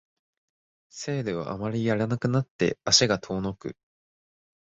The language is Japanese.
セールをあまりやらなくなって足が遠のく